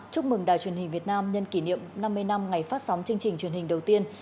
chúc mừng đài truyền hình việt nam nhân kỷ niệm năm mươi năm ngày phát sóng chương trình truyền hình đầu tiên